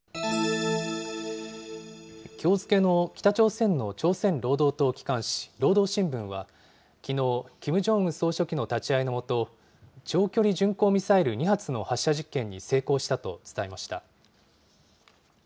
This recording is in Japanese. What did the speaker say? きょう付けの北朝鮮の朝鮮労働党機関紙、労働新聞はきのう、キム・ジョンウン総書記の立ち会いの下、長距離巡航ミサイル２発の発射実験に成功したと伝えました。